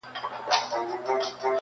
دا نه منم چي صرف ټوله نړۍ كي يو غمى دی.